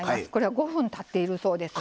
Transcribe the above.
５分たっているそうです。